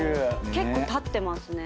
結構立ってますね。